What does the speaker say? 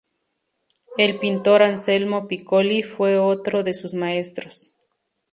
El pintor Anselmo Piccoli fue otro de sus maestros.